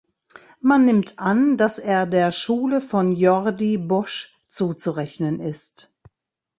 Man nimmt an, dass er der Schule von Jordi Bosch zuzurechnen ist.